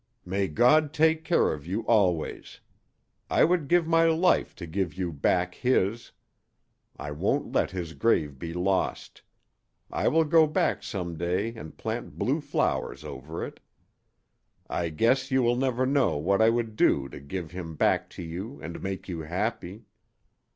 "May God take care of you always. I would give my life to give you back his. I won't let his grave be lost. I will go back some day and plant blue flowers over it. I guess you will never know what I would do to give him back to you and make you happy."